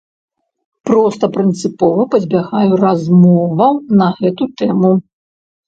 Проста прынцыпова пазбягаю размоваў на гэту тэму.